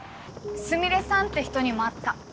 スミレさんって人にも会った。